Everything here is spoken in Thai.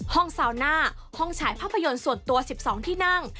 ซาวน่าห้องฉายภาพยนตร์ส่วนตัว๑๒ที่นั่ง